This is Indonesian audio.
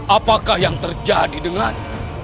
apakah yang terjadi dengan